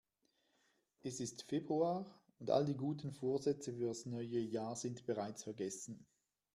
Es ist Februar und all die guten Vorsätze fürs neue Jahr sind bereits vergessen.